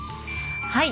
はい。